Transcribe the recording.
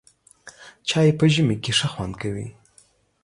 چای په ژمي کې ښه خوند کوي.